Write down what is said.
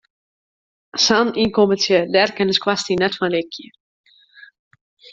Sa'n ynkommentsje, dêr kin de skoarstien net fan rikje.